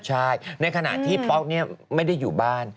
ใช่ในขณะที่ป๊อกไม่ได้อยู่บ้าน